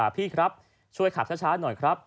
พี่ครับช่วยขับช้าหน่อยครับ